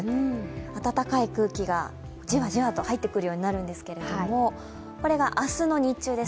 暖かい空気がじわじわと入ってくる様になるんですけれども、これが明日の日中です。